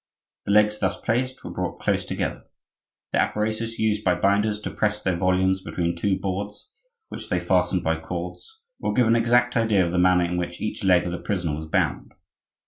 The legs thus placed were brought close together. The apparatus used by binders to press their volumes between two boards, which they fasten by cords, will give an exact idea of the manner in which each leg of the prisoner was bound.